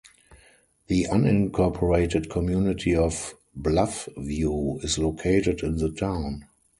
The unincorporated community of Bluffview is located in the town.